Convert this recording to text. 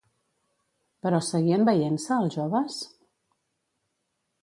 Però seguien veient-se, els joves?